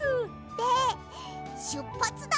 で「しゅっぱつだ！